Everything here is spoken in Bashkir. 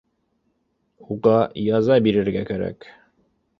Уға яза бирергә кәрәк